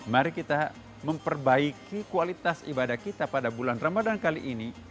mari kita memperbaiki kualitas ibadah kita pada bulan ramadan kali ini